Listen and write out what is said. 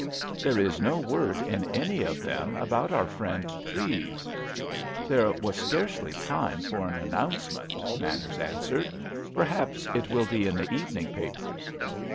"There is no word in any of them about our friend Treves." "There was scarcely time for an announcement," Manners answered. "Perhaps it will be in the evening papers."